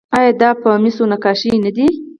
آیا دا په مسو نقاشي نه ده؟